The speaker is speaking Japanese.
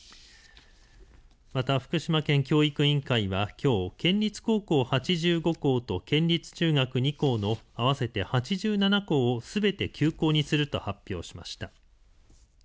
また福島県教育委員会はきょう県立高校８５校と県立中学２校の合わせて８７校をすべて休校にすると発表しました。